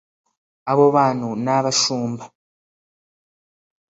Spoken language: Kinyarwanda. Abo bantu ni abashumba